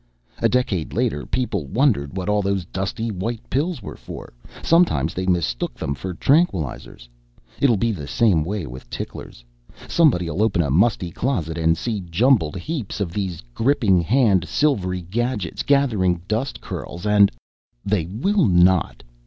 A decade later people wondered what all those dusty white pills were for. Sometimes they were mistook for tranquilizers. It'll be the same way with ticklers. Somebody'll open a musty closet and see jumbled heaps of these gripping hand silvery gadgets gathering dust curls and " "They will not!"